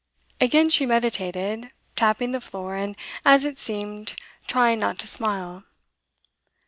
Again she meditated, tapping the floor, and, as it seemed, trying not to smile.